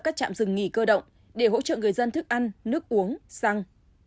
các trạm dừng nghỉ cơ động để hỗ trợ người dân thức ăn nước uống xăng